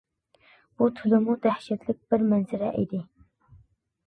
بۇ تولىمۇ دەھشەتلىك بىر مەنزىرە ئىدى.